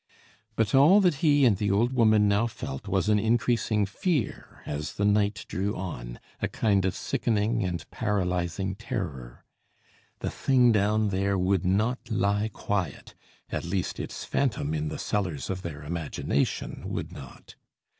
But all that he and the old woman now felt was an increasing fear as the night drew on, a kind of sickening and paralysing terror. The thing down there would not lie quiet at least its phantom in the cellars of their imagination would not.